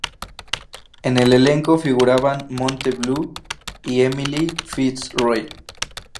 En el elenco figuraban Monte Blue y Emily Fitzroy.